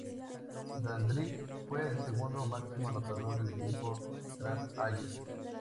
Dandridge fue el segundo máximo anotador del equipo tras Hayes.